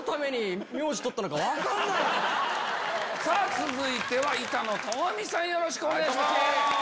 続いては板野友美さんよろしくお願いします。